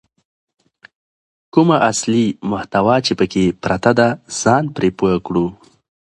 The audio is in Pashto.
کومه اصلي محتوا چې پکې پرته ده ځان پرې پوه کړو.